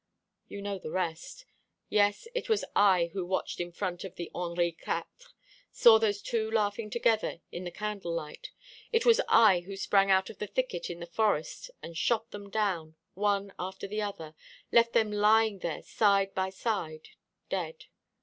You know all the rest. Yes, it was I who watched in front of the Henri Quatre, saw those two laughing together in the candle light: it was I who sprang out of the thicket in the forest and shot them down, one after the other, left them lying there side by side, dead.